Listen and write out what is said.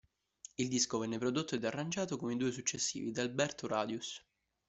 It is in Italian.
Il disco venne prodotto ed arrangiato, come i due successivi, da Alberto Radius.